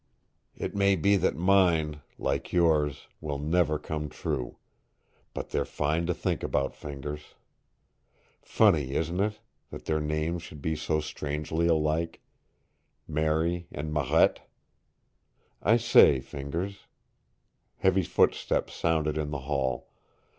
"It may be that mine, like yours, will never come true. But they're fine to think about, Fingers. Funny, isn't it, that their names should be so strangely alike Mary and Marette? I say, Fingers " Heavy footsteps sounded in the hall.